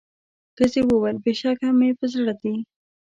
ښځي وویل بېشکه مي په زړه دي